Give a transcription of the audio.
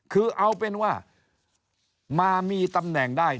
คือเอาเป็นว่ามามีตำแหน่งได้